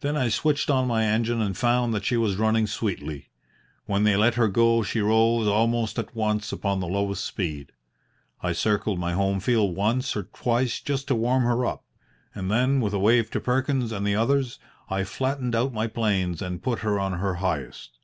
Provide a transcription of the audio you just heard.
Then I switched on my engine and found that she was running sweetly. When they let her go she rose almost at once upon the lowest speed. I circled my home field once or twice just to warm her up, and then, with a wave to Perkins and the others, I flattened out my planes and put her on her highest.